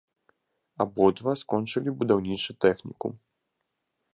Абодва скончылі будаўнічы тэхнікум.